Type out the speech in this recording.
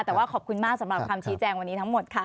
แต่ว่าขอบคุณมากสำหรับคำชี้แจงวันนี้ทั้งหมดค่ะ